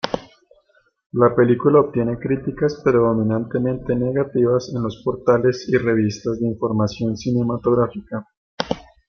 La película obtiene críticas predominantemente negativas en los portales y revistas de información cinematográfica.